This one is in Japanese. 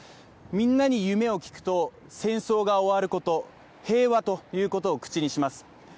みんなに夢を聞くと戦争が終わること、平和ということを口にします。